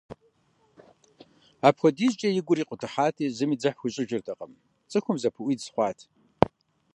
Апхуэдизкӏэ и гур икъутыхьати, зыми дзыхь хуищӏыжыртэкъым, цӏыхум зыпыӏуидз хъуат.